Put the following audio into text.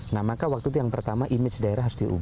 nah maka waktu itu yang pertama image daerah harus diubah